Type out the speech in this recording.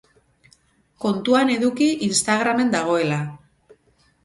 Kontuan eduki Instagramen dagoela.